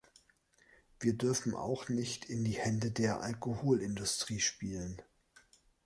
Wir dürfen auch nicht in die Hände der Alkoholindustrie spielen.